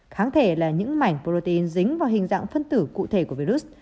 kháng thể là những mảnh protein dính vào hình dạng phân tử cụ thể của virus